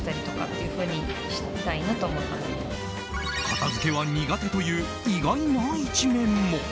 片づけは苦手という意外な一面も。